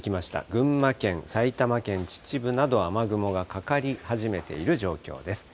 群馬県、埼玉県秩父など雨雲がかかり始めている状況です。